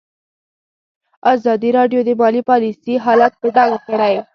ازادي راډیو د مالي پالیسي حالت په ډاګه کړی.